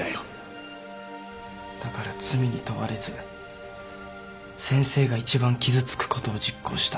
だから罪に問われず先生が一番傷つくことを実行した。